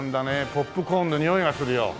ポップコーンのにおいがするよ。